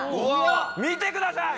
見てください。